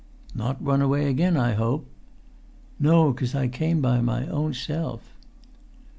"Not run away again, I hope?" "No, 'cos I came by my own self."